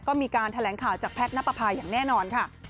ก็มีการแถลงข่าวจากแพทย์นับประภาอย่างแน่นอนค่ะ